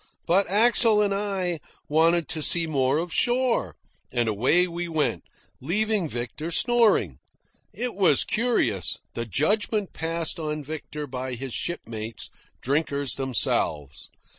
But Axel and I wanted to see more of shore, and away we went, leaving Victor snoring. It was curious, the judgment passed on Victor by his shipmates, drinkers themselves.